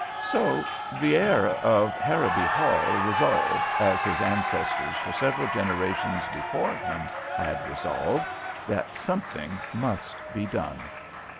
So the heir of Harrowby Hall resolved, as his ancestors for several generations before him had resolved, that something must be done.